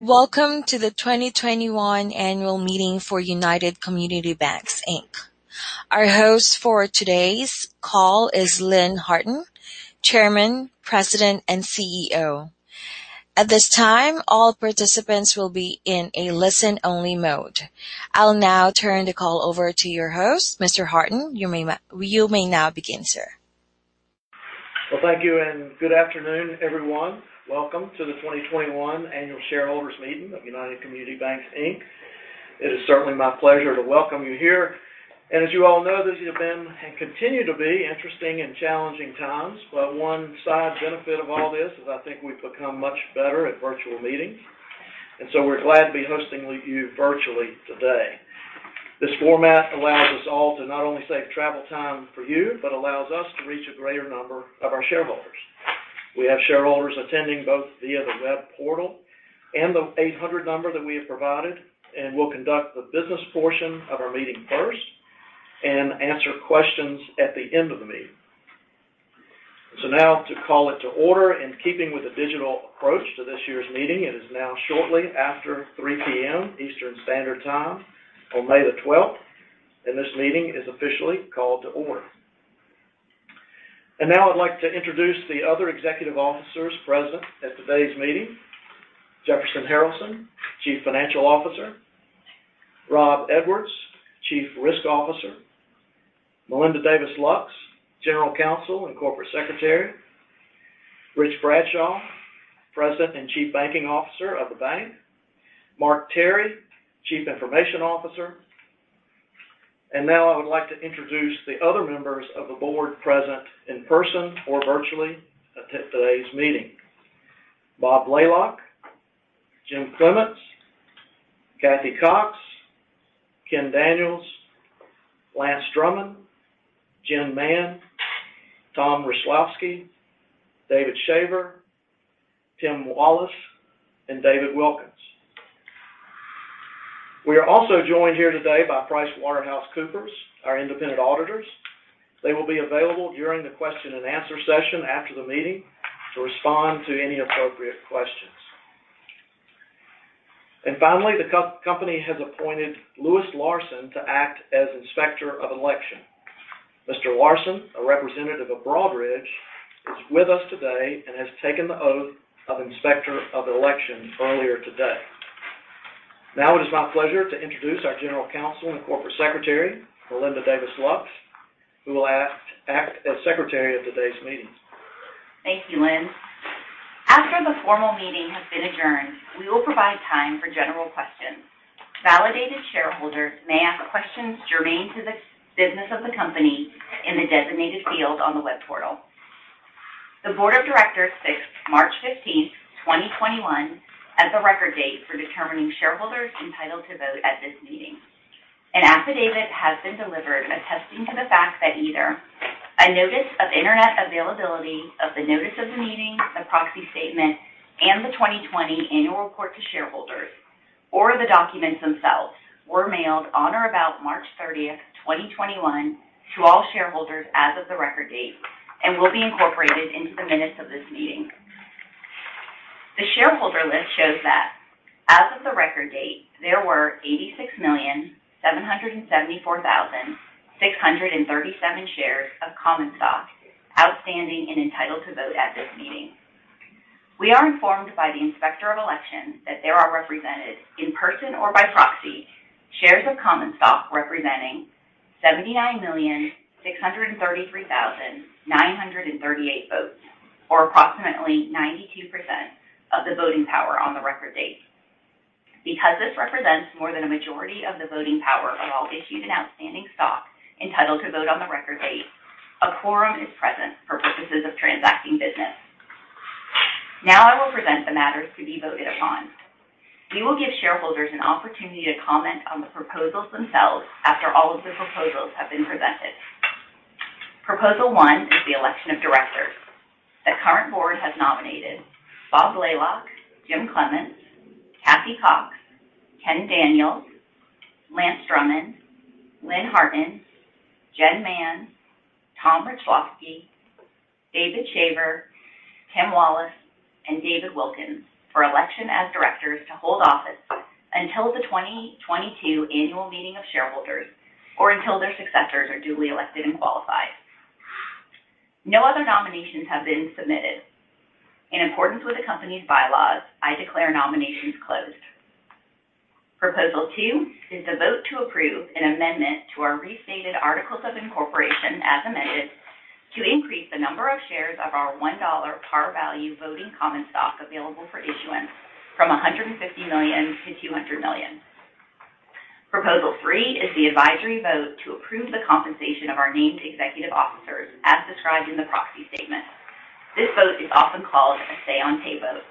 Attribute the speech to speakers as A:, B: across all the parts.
A: Welcome to the 2021 annual meeting for United Community Banks, Inc. Our host for today's call is Lynn Harton, Chairman, President, and CEO. At this time, all participants will be in a listen-only mode. I'll now turn the call over to your host, Mr. Harton. You may now begin, sir.
B: Well, thank you, and good afternoon, everyone. Welcome to the 2021 annual shareholders meeting of United Community Banks, Inc. It is certainly my pleasure to welcome you here. As you all know, these have been, and continue to be, interesting and challenging times. One side benefit of all this is I think we've become much better at virtual meetings, and so we're glad to be hosting you virtually today. This format allows us all to not only save travel time for you, but allows us to reach a greater number of our shareholders. We have shareholders attending both via the web portal and the 800 number that we have provided, and we'll conduct the business portion of our meeting first and answer questions at the end of the meeting. Now to call it to order, in keeping with the digital approach to this year's meeting, it is now shortly after 3:00 P.M. Eastern Standard Time on May the 12th, and this meeting is officially called to order. Now I'd like to introduce the other executive officers present at today's meeting. Jefferson Harralson, Chief Financial Officer. Rob Edwards, Chief Risk Officer. Melinda Davis Lux, General Counsel and Corporate Secretary. Rich Bradshaw, President and Chief Banking Officer of the bank. Mark Terry, Chief Information Officer. Now I would like to introduce the other members of the board present in person or virtually at today's meeting. Bob Blalock, James Clements, Cathy Cox, Kenneth L. Daniels, Lance F. Drummond, Jennifer Mann, Thomas A. Richlovsky, David C. Shaver, Tim R. Wallis, and David H. Wilkins. We are also joined here today by PricewaterhouseCoopers, our independent auditors. They will be available during the question and answer session after the meeting to respond to any appropriate questions. Finally, the company has appointed Lewis Larsen to act as Inspector of Election. Mr. Larsen, a representative of Broadridge, is with us today and has taken the oath of Inspector of Election earlier today. Now it is my pleasure to introduce our General Counsel and Corporate Secretary, Melinda Davis Lux, who will act as secretary at today's meeting.
C: Thank you, Lynn. After the formal meeting has been adjourned, we will provide time for general questions. Validated shareholders may ask questions germane to the business of the company in the designated field on the web portal. The board of directors fixed March 15th, 2021, as the record date for determining shareholders entitled to vote at this meeting. An affidavit has been delivered attesting to the fact that either a notice of internet availability of the notice of the meeting, the proxy statement, and the 2020 annual report to shareholders, or the documents themselves were mailed on or about March 30th, 2021 to all shareholders as of the record date and will be incorporated into the minutes of this meeting. The shareholder list shows that as of the record date, there were 86,774,637 shares of common stock outstanding and entitled to vote at this meeting. We are informed by the Inspector of Election that there are represented, in person or by proxy, shares of common stock representing 79,633,938 votes, or approximately 92% of the voting power on the record date. Because this represents more than a majority of the voting power of all issued and outstanding stock entitled to vote on the record date, a quorum is present for purposes of transacting business. Now I will present the matters to be voted upon. We will give shareholders an opportunity to comment on the proposals themselves after all of the proposals have been presented. Proposal 1 is the election of directors. The current board has nominated Bob Blalock, James Clements, Cathy Cox, Kenneth L. Daniels, Lance F. Drummond, Lynn Harton, Jennifer Mann, Thomas A. Richlovsky, David C. Shaver, Tim R. Wallis, and David H. Wilkins for election as directors to hold office until the 2022 annual meeting of shareholders, or until their successors are duly elected and qualified. No other nominations have been submitted. In accordance with the company's bylaws, I declare nominations closed. Proposal 2 is a vote to approve an amendment to our restated articles of incorporation, as amended, to increase the number of shares of our $1 par value voting common stock available for issuance from 150 million to 200 million. Proposal 3 is the advisory vote to approve the compensation of our named executive officers as described in the proxy statement. This vote is often called a say-on-pay vote.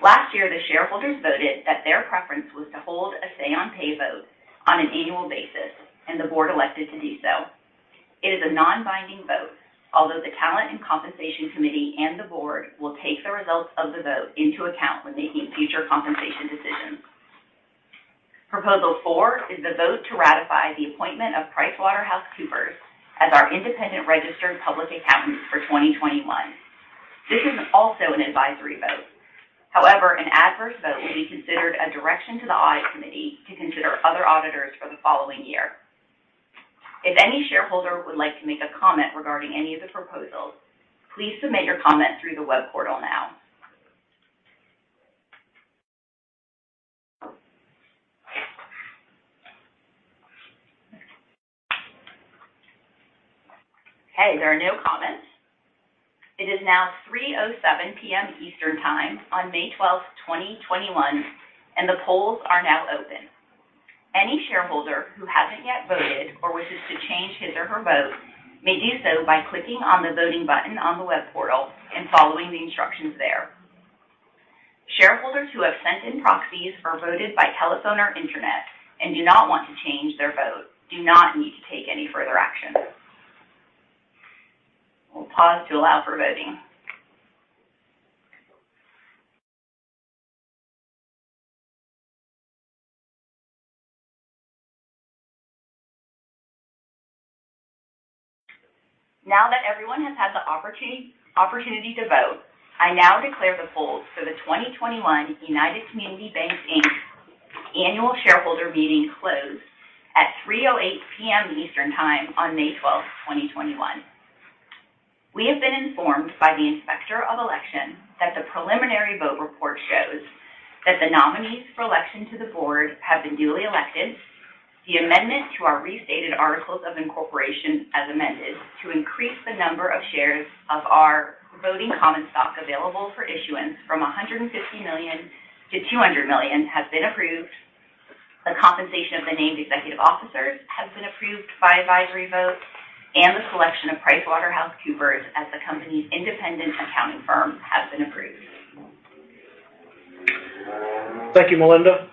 C: Last year, the shareholders voted that their preference was to hold a say-on-pay vote on an annual basis, and the board elected to do so. It is a non-binding vote, although the talent and compensation committee and the board will take the results of the vote into account when making future compensation decisions. Proposal 4 is the vote to ratify the appointment of PricewaterhouseCoopers as our independent registered public accountants for 2021. This is also an advisory vote. An adverse vote will be considered a direction to the audit committee to consider other auditors for the following year. If any shareholder would like to make a comment regarding any of the proposals, please submit your comment through the web portal now. There are no comments. It is now 3:07 P.M. Eastern Time on May 12th, 2021, and the polls are now open. Any shareholder who hasn't yet voted or wishes to change his or her vote may do so by clicking on the voting button on the web portal and following the instructions there. Shareholders who have sent in proxies or voted by telephone or internet and do not want to change their vote do not need to take any further action. We'll pause to allow for voting. Now that everyone has had the opportunity to vote, I now declare the polls for the 2021 United Community Banks, Inc. Annual Shareholder Meeting closed at 3:08 P.M. Eastern Time on May 12th, 2021. We have been informed by the Inspector of Election that the preliminary vote report shows that the nominees for election to the board have been duly elected, the amendment to our restated articles of incorporation, as amended, to increase the number of shares of our voting common stock available for issuance from 150 million to 200 million has been approved. The compensation of the named executive officers has been approved by advisory vote. The selection of PricewaterhouseCoopers as the company's independent accounting firm has been approved.
B: Thank you, Melinda.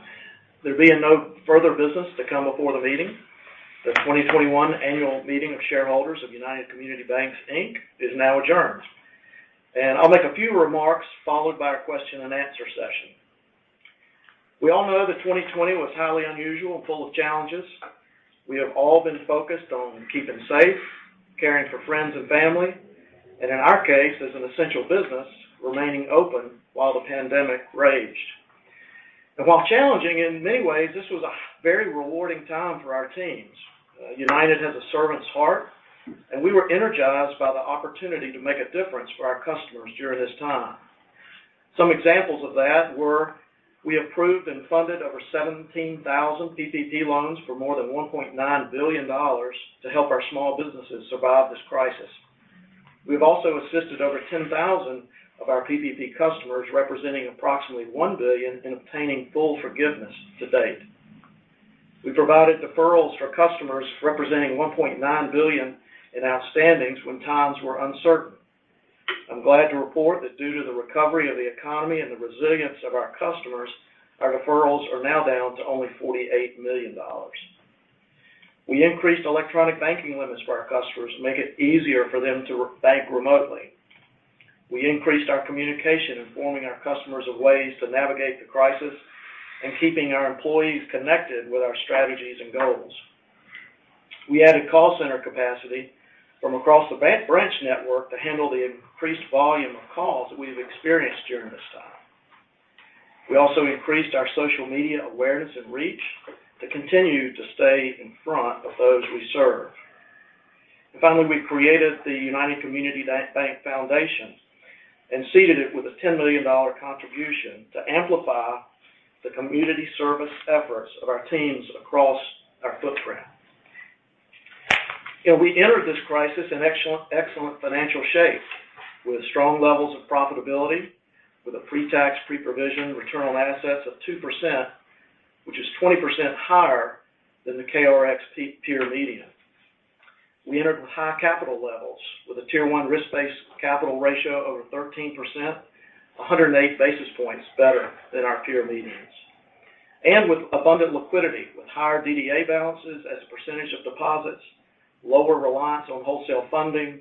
B: There being no further business to come before the meeting, the 2021 Annual Meeting of Shareholders of United Community Banks, Inc. is now adjourned. I'll make a few remarks followed by a question and answer session. We all know that 2020 was highly unusual and full of challenges. We have all been focused on keeping safe, caring for friends and family, and in our case, as an essential business, remaining open while the pandemic raged. While challenging in many ways, this was a very rewarding time for our teams. United has a servant's heart, and we were energized by the opportunity to make a difference for our customers during this time. Some examples of that were we approved and funded over 17,000 PPP loans for more than $1.9 billion to help our small businesses survive this crisis. We've also assisted over 10,000 of our PPP customers, representing approximately $1 billion in obtaining full forgiveness to date. We provided deferrals for customers representing $1.9 billion in outstandings when times were uncertain. I'm glad to report that due to the recovery of the economy and the resilience of our customers, our deferrals are now down to only $48 million. We increased electronic banking limits for our customers to make it easier for them to bank remotely. We increased our communication, informing our customers of ways to navigate the crisis and keeping our employees connected with our strategies and goals. We added call center capacity from across the branch network to handle the increased volume of calls that we've experienced during this time. We also increased our social media awareness and reach to continue to stay in front of those we serve. Finally, we created the United Community Bank Foundation and seeded it with a $10 million contribution to amplify the community service efforts of our teams across our footprint. We entered this crisis in excellent financial shape with strong levels of profitability, with a pre-tax, pre-provision return on assets of 2%, which is 20% higher than the KRX peer median. We entered with high capital levels, with a Tier 1 risk-based capital ratio over 13%, 108 basis points better than our peer medians. With abundant liquidity, with higher DDA balances as a percentage of deposits, lower reliance on wholesale funding,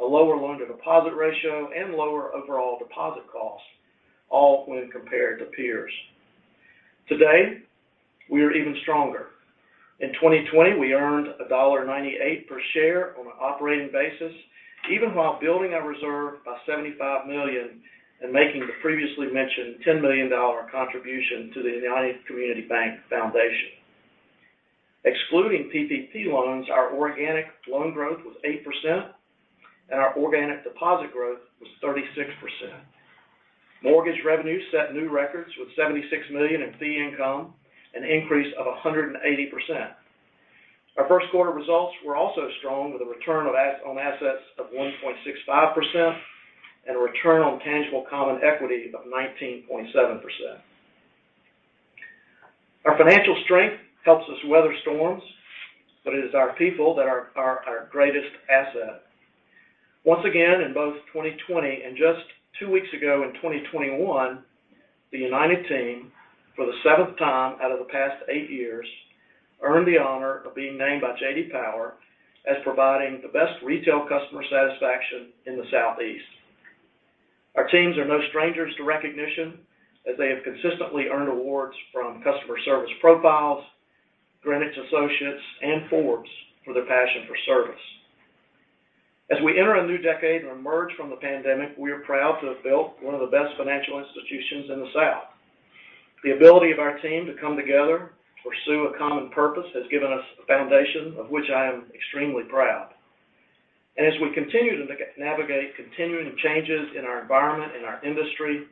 B: a lower loan-to-deposit ratio, and lower overall deposit costs, all when compared to peers. Today, we are even stronger. In 2020, we earned $1.98 per share on an operating basis, even while building our reserve by $75 million and making the previously mentioned $10 million contribution to the United Community Bank Foundation. Excluding PPP loans, our organic loan growth was 8%, and our organic deposit growth was 36%. Mortgage revenue set new records with $76 million in fee income, an increase of 180%. Our first quarter results were also strong with a return on assets of 1.65% and a return on tangible common equity of 19.7%. Our financial strength helps us weather storms, but it is our people that are our greatest asset. Once again, in both 2020 and just two weeks ago in 2021, the United team, for the seventh time out of the past eight years, earned the honor of being named by J.D. Power as providing the best retail customer satisfaction in the Southeast. Our teams are no strangers to recognition, as they have consistently earned awards from Customer Service Profiles, Greenwich Associates, and Forbes for their passion for service. As we enter a new decade and emerge from the pandemic, we are proud to have built one of the best financial institutions in the South. The ability of our team to come together to pursue a common purpose has given us a foundation of which I am extremely proud. As we continue to navigate continuing changes in our environment and our industry,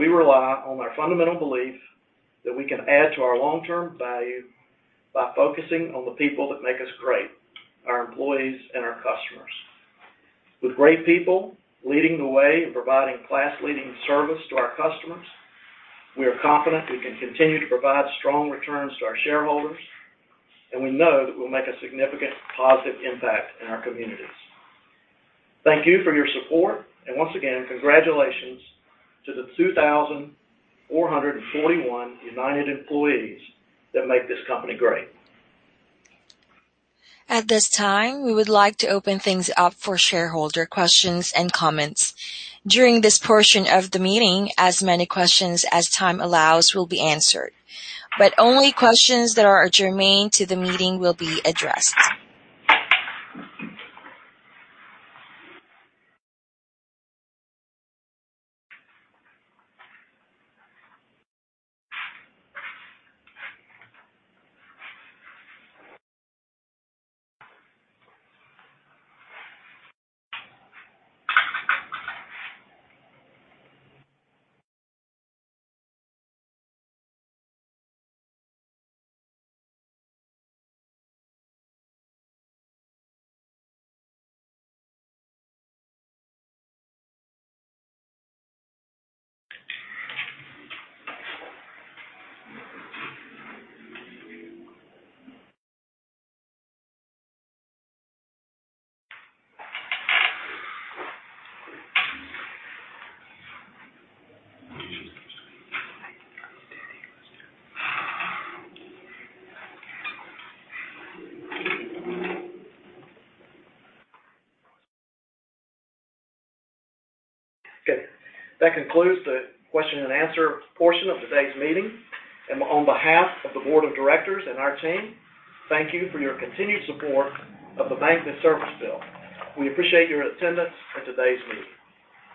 B: we rely on our fundamental belief that we can add to our long-term value by focusing on the people that make us great, our employees and our customers. With great people leading the way in providing class-leading service to our customers, we are confident we can continue to provide strong returns to our shareholders, and we know that we'll make a significant positive impact in our communities. Thank you for your support, and once again, congratulations to the 2,441 United employees that make this company great.
A: At this time, we would like to open things up for shareholder questions and comments. During this portion of the meeting, as many questions as time allows will be answered, but only questions that are germane to the meeting will be addressed.
B: Good. That concludes the question and answer portion of today's meeting. On behalf of the board of directors and our team, thank you for your continued support of the bank that service builds. We appreciate your attendance at today's meeting.